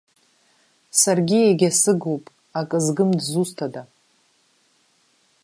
Саргьы егьа сыгуп, акы згым дызусҭада!